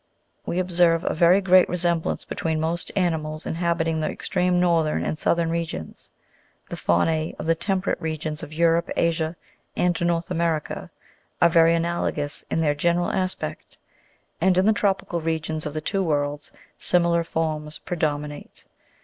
We observe a very great resemblance between most ani mals inhabiting the extreme northern and southern regions; the fauna? of the temperate regions of Europe, Asia, and North America, are very analogous in their general aspect, and in the tropical regions of the two worlds similar forms predominate.